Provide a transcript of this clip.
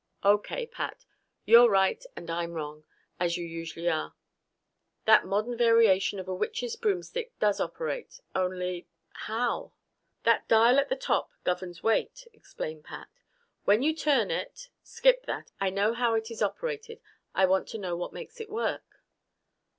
Okay, Pat. You're right and I'm wrong, as you usually are. That modern variation of a witch's broomstick does operate. Only how?" "That dial at the top governs weight," explained Pat. "When you turn it " "Skip that. I know how it is operated. I want to know what makes it work?"